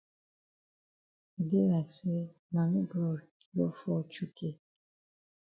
E dey like say Mami Glory don fall chukay.